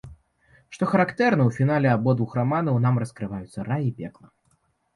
Што характэрна, у фінале абодвух раманаў нам раскрываюцца рай і пекла.